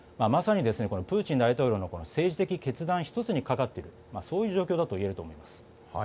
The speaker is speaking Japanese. まさにプーチン大統領の政治的決断１つにかかっているというそういう状況だといえると思います。